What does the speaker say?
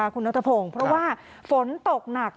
คุณนัทพงศ์เพราะว่าฝนตกหนัก